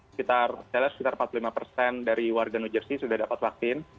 sekitar empat puluh lima dari warga new jersey sudah dapat vaksin